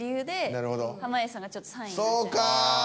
そうか。